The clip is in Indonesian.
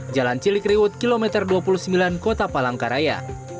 jalan cilikriwut kilometer dua puluh sembilan kota palangkaraya